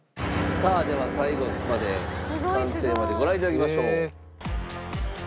さあでは最後まで完成までご覧頂きましょう。